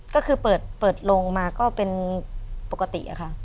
ก็คือเปิดลงมาก็เป็นปกติค่ะ